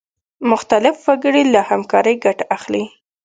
مختلف وګړي له همکارۍ ګټه اخلي.